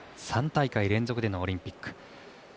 ３大会連続でのオリンピック。